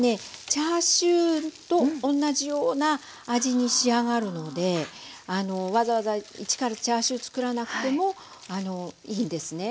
チャーシューと同じような味に仕上がるのでわざわざ一からチャーシュー作らなくてもいいんですね。